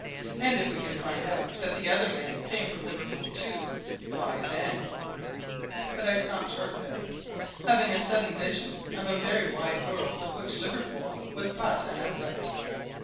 And if we can find out that the other man came from Liverpool, too, why then " But I stopped short there, having a sudden vision of a very wide world of which Liverpool was but an outlet.